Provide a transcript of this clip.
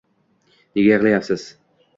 Nega yig'layapsiz?